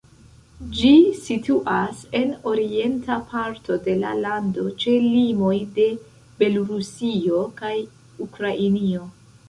Ĝi situas en orienta parto de la lando ĉe limoj de Belorusio kaj Ukrainio.